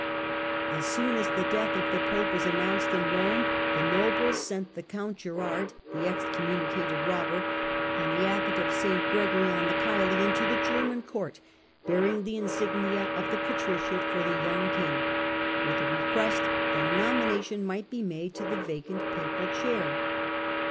As soon as the death of the pope was announced in Rome the nobles sent the count Girard (the excom municated robber) and the abbot of St. Gregory on the Coelian to the German court, bearing the insignia of the patriciate for the young king, with a request that a nomination might be made to the vacant papal chair.